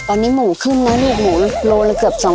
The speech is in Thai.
ตอนนี้หมูขึ้นนะลูกหมูโลละเกือบ๒๐๐